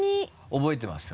覚えてますよ。